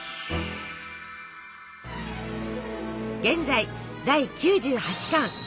現在第９８巻。